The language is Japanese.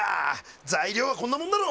材料はこんなもんだろ。